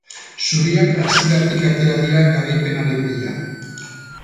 Zuriak hasieratik atera dira garaipenaren bila.